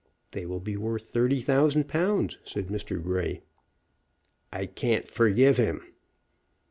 "They will be worth thirty thousand pounds," said Mr. Grey. "I can't forgive him."